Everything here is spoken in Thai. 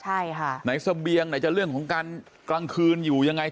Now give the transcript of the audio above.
ใช่ค่ะไหนเสบียงไหนจะเรื่องของการกลางคืนอยู่ยังไง